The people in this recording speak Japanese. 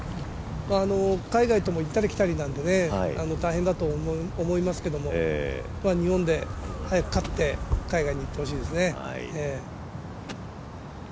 海外とも行ったり来たりなんで大変だと思いますけれども日本で早く勝って海外に行ってほしいですね。